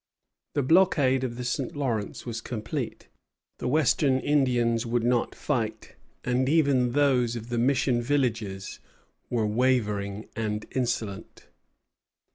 The blockade of the St. Lawrence was complete. The Western Indians would not fight, and even those of the mission villages were wavering and insolent.